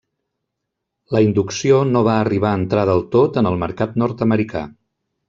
La inducció no va arribar a entrar del tot en el mercat nord-americà.